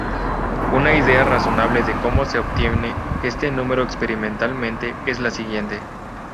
Una idea razonable de como se obtiene este número experimentalmente es la siguiente.